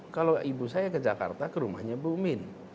kalau ibu saya ke jakarta ke rumahnya bu min